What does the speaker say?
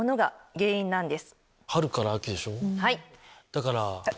だから。